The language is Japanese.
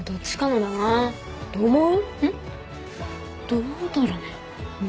どうだろうね。